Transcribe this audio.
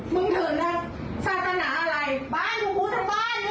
มึงเถิดนะศาสนาอะไรบ้านมึงพูดสักบ้านเนี้ย